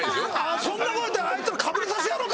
そんなこと言ったらあいつらかぶれさせてやろうか！